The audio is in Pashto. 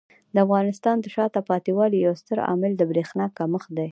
د افغانستان د شاته پاتې والي یو ستر عامل د برېښنا کمښت دی.